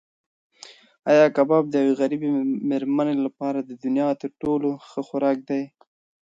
ایا کباب د یوې غریبې مېرمنې لپاره د دنیا تر ټولو ښه خوراک دی؟